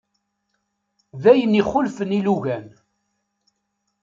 D ayen ixulfen ilugan.